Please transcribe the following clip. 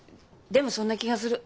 でもそんな気がする。